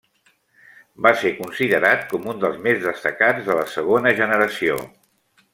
Va ser considerat com un dels més destacats de la segona generació.